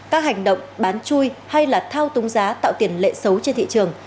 các hành động bán chui hay là thao túng giá tạo tiền lệ xấu